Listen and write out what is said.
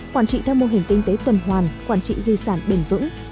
quản trị theo mô hình kinh tế tuần hoàn quản trị di sản bền vững